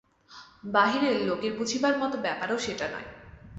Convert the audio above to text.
বাহিরের লোকের বুঝিবার মতো ব্যাপারও সেটা নয়।